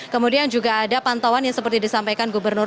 kemudian juga ada pantauan yang seperti disampaikan gubernur